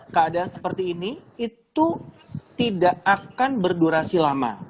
keadaan seperti ini itu tidak akan berdurasi lama